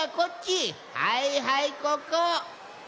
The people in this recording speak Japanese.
はいはいここ！